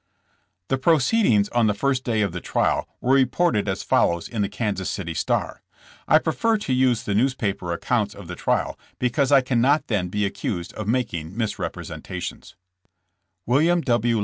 '' The proceedings on the first day of the trial were reported as follows in the Kansas City Star. I prefer to use the newspaper accounts of the trial because I cannot then be accused of making misrep resentations : William W.